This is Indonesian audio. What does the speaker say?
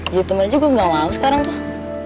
jadi temen aja gue gak mau sekarang tuh